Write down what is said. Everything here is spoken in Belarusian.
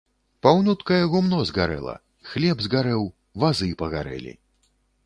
Паўнюткае гумно згарэла, хлеб згарэў, вазы пагарэлі.